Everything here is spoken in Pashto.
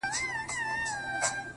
بيا خپه يم مرور دي اموخته کړم،